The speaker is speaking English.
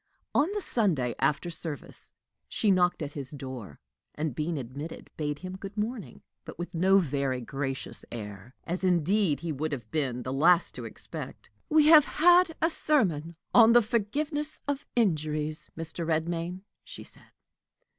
On the Sunday, after service, she knocked at his door, and, being admitted, bade him good morning, but with no very gracious air as, indeed, he would have been the last to expect. "We have had a sermon on the forgiveness of injuries, Mr. Redmain," she said.